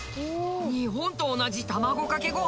日本と同じ卵かけご飯だ！